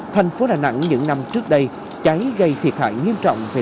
thành phố đà nẵng những năm trước đây cháy gây thiệt hại nghiêm trọng